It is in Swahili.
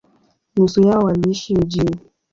Nusu yao waliishi mjini.